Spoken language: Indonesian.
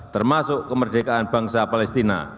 termasuk kemerdekaan bangsa palestina